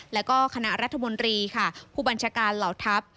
แล้วก็คณะรัฐมนตรีค่ะผู้บัญชาการเหล่าทัพ